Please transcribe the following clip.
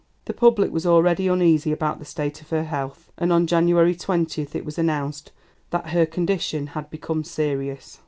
The public was already uneasy about the state of her health, and on January 20th it was announced that her condition had become serious.